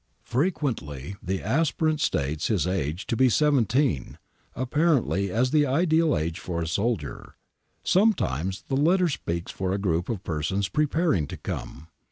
Frequently the aspirant states his age to be seventeen, apparently as the ideal age for a soldier. Sometimes the letter speaks for a group of persons preparing to come.